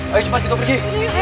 hayu cepat kita pergi